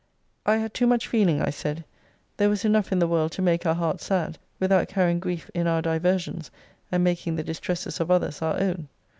'I had too much feeling, I said. There was enough in the world to make our hearts sad, without carrying grief in our diversions, and making the distresses of others our own.'